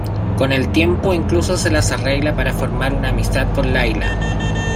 Con el tiempo, incluso se las arregla para formar una amistad con Layla.